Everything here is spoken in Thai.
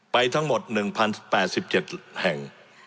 ไปทั้งหมด๑๐๘๗แห่ง